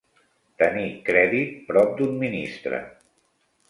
Tenir crèdit prop d'un ministre.